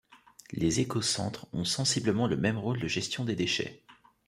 Les écocentres ont sensiblement le même rôle de gestion des déchets.